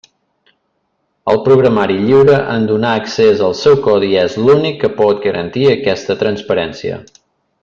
El programari lliure, en donar accés al seu codi, és l'únic que pot garantir aquesta transparència.